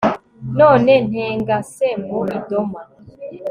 None ntengase mu idoma